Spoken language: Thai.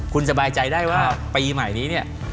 คุณสบายใจได้ว่าปีใหม่นี้เนี่ย